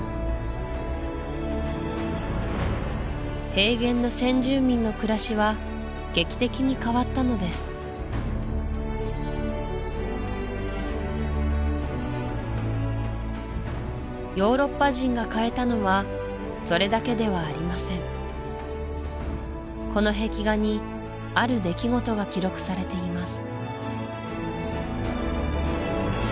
平原の先住民の暮らしは劇的に変わったのですヨーロッパ人が変えたのはそれだけではありませんこの壁画にある出来事が記録されています